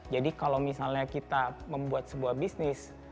jadi kalau misalnya kita membuat sebuah bisnis